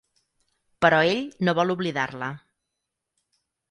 Però ell no vol oblidar-la.